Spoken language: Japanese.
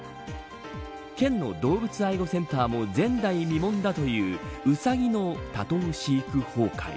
県の動物愛護センターも前代未聞だというウサギの多頭飼育崩壊。